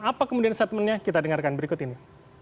apa kemudian statementnya kita dengarkan berikut ini